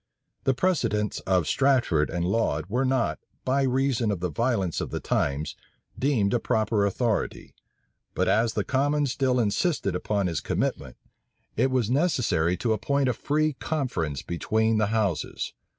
The precedents of Strafford and Laud were not, by reason of the violence of the times, deemed a proper authority; but as the commons still insisted upon his commitment, it was necessary to appoint a free conference between the houses.